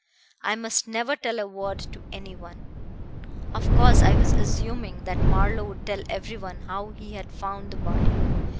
I must never tell a word to any one. Of course I was assuming that Marlowe would tell everyone how he had found the body.